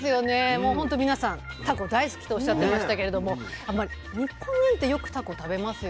もうほんと皆さんタコ大好きとおっしゃってましたけれども日本人ってよくタコ食べますよね。